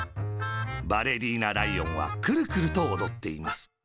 バレリーナライオンは、くるくるとおどっています。